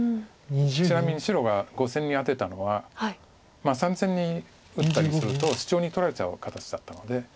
ちなみに白が５線にアテたのは３線に打ったりするとシチョウに取られちゃう形だったので。